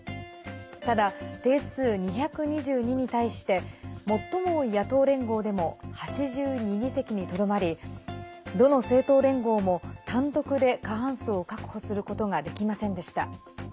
ただ、定数２２２に対して最も多い野党連合でも８２議席にとどまりどの政党連合も単独で過半数を確保することができませんでした。